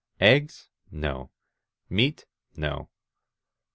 Eggs? No. Meat? No.